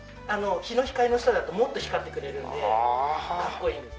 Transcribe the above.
日の光の下だともっと光ってくれるのでかっこいいです。